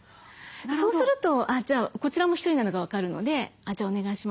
そうするとこちらも１人なのが分かるので「じゃあお願いします。